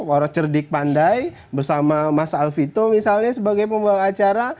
orang cerdik pandai bersama mas alvito misalnya sebagai pembuang acara